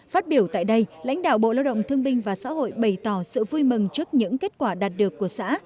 phát biểu tại đây lãnh đạo bộ lao động thương binh và xã hội bày tỏ sự vui mừng trước những kết quả đạt được của xã